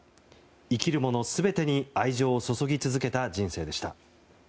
生きるもの全てに愛情を注ぎ続けた人生でした。